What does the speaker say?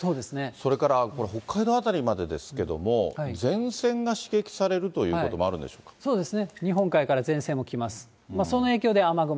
それからこれ、北海道辺りまでですけれども、前線が刺激されるということもあるそうですね、